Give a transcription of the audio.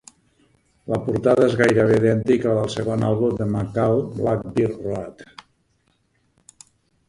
La portada és gairebé idèntica a la del segon àlbum de McCall "Black Bear Road".